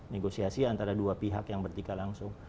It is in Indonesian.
negosiasi antara dua pihak yang bertiga langsung